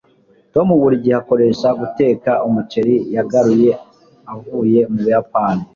tom buri gihe akoresha guteka umuceri yagaruye avuye mu buyapani